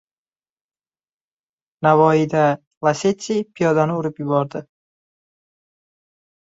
Navoiyda "Lacetti" piyodani urib yubordi